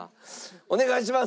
お願いします。